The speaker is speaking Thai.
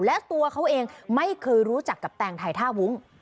และตัวเขาเองไม่เคยรู้จักกับแตงไทยท่าวุ้ง